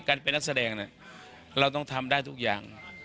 เป็นนักแสดงเนี่ยเราต้องทำได้ทุกอย่าง